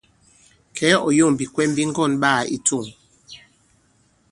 Kɛ̌, ɔ̀ yȏŋ bìkwɛm bi ŋgɔ̑n ɓaā i tȗŋ.